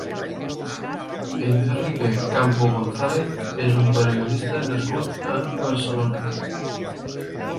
Enrique Campo González és un periodista nascut a Barcelona.